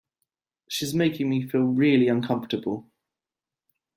She’s making me feel really uncomfortable.